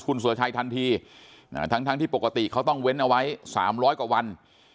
คุณสุรชัยทันทีทั้งที่ปกติเขาต้องเว้นเอาไว้๓๐๐กว่าวัน